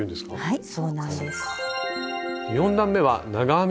はい。